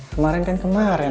kemarin kan kemarin